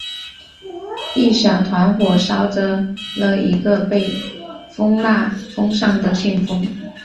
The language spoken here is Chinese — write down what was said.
一小团火烧着了一个被封蜡封上的信封。